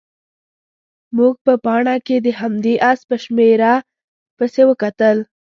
موږ په پاڼه کې د همدې اس په شمېره پسې وکتل.